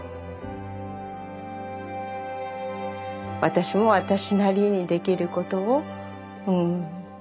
私も私なりにできることをうん。